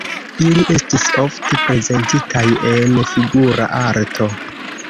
Ili estis ofte prezentitaj en figura arto.